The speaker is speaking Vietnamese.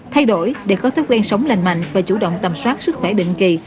thay đổi để có thước ghen sống lành mạnh và chủ động tầm soát sức khỏe định kỳ